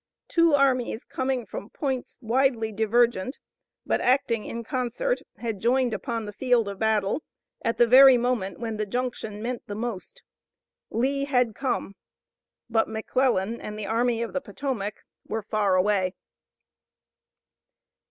Two armies coming from points widely divergent, but acting in concert had joined upon the field of battle at the very moment when the junction meant the most. Lee had come, but McClellan and the Army of the Potomac were far away.